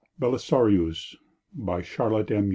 BELISARIUS By CHARLOTTE M.